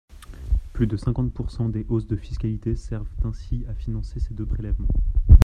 Plus de cinquante pourcent des hausses de fiscalité servent ainsi à financer ces deux prélèvements.